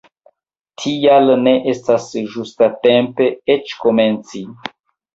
Tial ne estas ĝustatempe eĉ komenci!